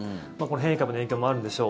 変異株の影響もあるんでしょう。